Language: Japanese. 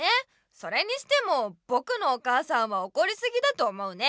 それにしてもぼくのお母さんはおこりすぎだと思うね。